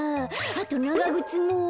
あとながぐつも。